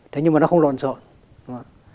thế nhưng mà nó không lồn xộn